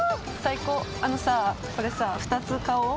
あのさこれさ２つ買おう。